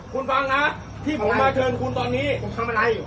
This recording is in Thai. คุณฟังนะที่ผมมาเชิญคุณตอนนี้ผมทำอะไรอยู่